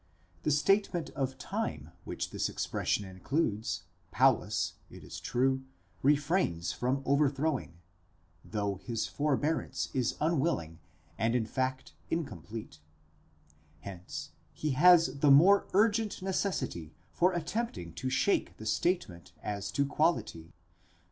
The statement of time which this expression includes, Paulus, it is true, refrains from overthrowing (though his forbearance is unwilling and in fact incomplete) : hence he has the more urgent necessity for attempting to shake the statement as to quality.